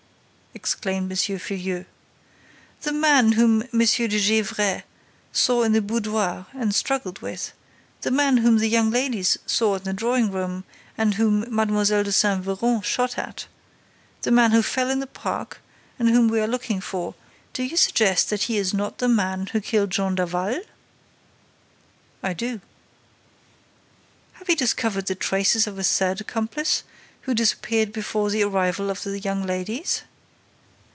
exclaimed M. Filleul. "The man whom M. de Gesvres saw in the boudoir and struggled with, the man whom the young ladies saw in the drawing room and whom Mlle. de Saint Véran shot at, the man who fell in the park and whom we are looking for: do you suggest that he is not the man who killed Jean Daval?" "I do." "Have you discovered the traces of a third accomplice who disappeared before the arrival of the young ladies?"